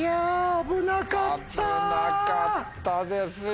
危なかったですよ。